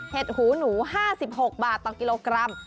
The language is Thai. หูหนู๕๖บาทต่อกิโลกรัม